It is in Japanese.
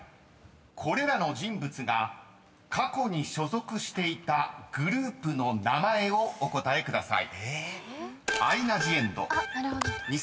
［これらの人物が過去に所属していたグループの名前をお答えください］